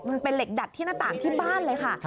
มันเป็นเหล็กดัดที่หน้าต่างที่บ้านเลยค่ะ